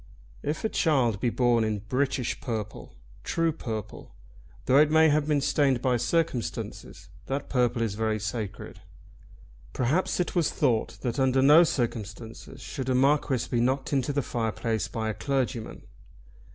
If a child be born in British purple, true purple, though it may have been stained by circumstances, that purple is very sacred. Perhaps it was thought that under no circumstances should a Marquis be knocked into the fireplace by a clergyman.